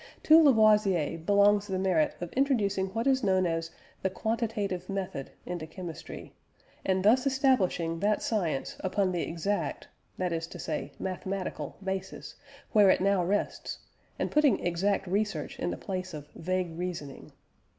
To Lavoisier belongs the merit of introducing what is known as the "quantitative method" into chemistry, and thus establishing that science upon the exact that is to say mathematical basis, where it now rests and putting exact research in the place of vague reasoning.